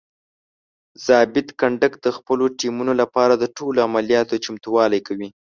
ضابط کنډک د خپلو ټیمونو لپاره د ټولو عملیاتو چمتووالی کوي.